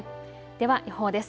では予報です。